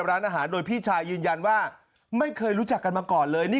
ร้านอาหารโดยพี่ชายยืนยันว่าไม่เคยรู้จักกันมาก่อนเลยนี่